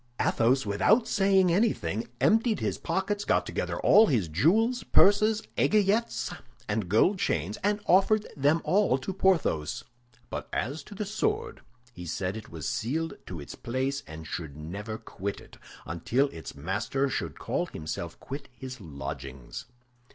Athos, without saying anything, emptied his pockets, got together all his jewels, purses, aiguillettes, and gold chains, and offered them all to Porthos; but as to the sword, he said it was sealed to its place and should never quit it until its master should himself quit his lodgings.